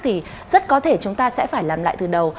thì rất có thể chúng ta sẽ phải làm lại từ đầu